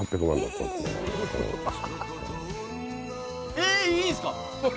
えっ！？いいんすか？